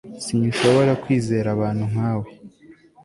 sinshobora kwizera abantu nka we